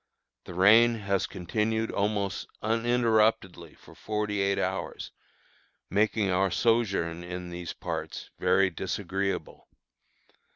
The rain has continued almost uninterruptedly for forty eight hours, making our sojourn in these parts very disagreeable.